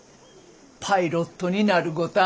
パイロットになるごた。